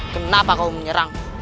kenapa kau menyerang